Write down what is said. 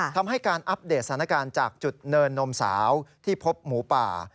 ทำให้การอัปเดตสถานการณ์จากจุดเนินนมสาวที่พบหมูป่า